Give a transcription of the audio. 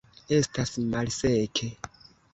Estas malseke.